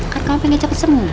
kan kamu pengen cepet semua